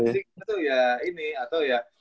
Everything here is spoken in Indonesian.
jadi kita tuh ya ini atau ya